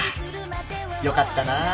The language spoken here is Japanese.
よかったなぁ。